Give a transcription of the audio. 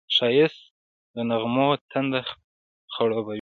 ښایست د نغمو تنده خړوبوي